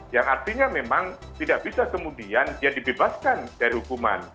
yang artinya memang tidak bisa kemudian dia dibebaskan dari hukuman